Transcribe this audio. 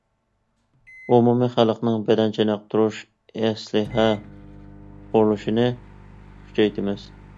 ئومۇمىي خەلقنىڭ بەدەن چېنىقتۇرۇش ئەسلىھە قۇرۇلۇشىنى كۈچەيتىمىز.